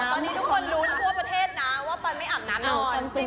ตอนนี้ทุกคนรู้ทั่วประเทศนะว่าปอนไม่อาบน้ำนอน